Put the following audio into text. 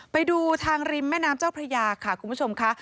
ไปดูทางริมแม่น้ำเจ้าพระยาค่ะคุณผู้ชมค่ะ